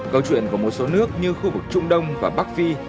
câu chuyện của một số nước như khu vực trung đông và bắc phi